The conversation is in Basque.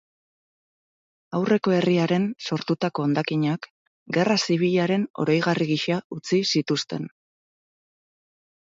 Aurreko herriaren sortutako hondakinak, gerra zibilaren oroigarri gisa utzi zituzten.